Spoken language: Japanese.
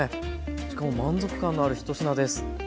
しかも満足感のある一品です。